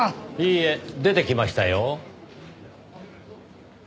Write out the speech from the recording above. いいえ出てきましたよ。